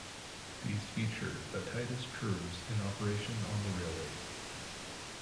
These feature the tightest curves in operation on the railway.